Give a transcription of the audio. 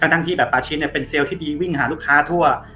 ทั้งที่แบบปาชิดเป็นเซลล์ที่ดีวิ่งหาลูกค้าทั่ว